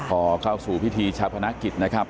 ขอเข้าสู่พิธีชาพนาคิดศพนะครับ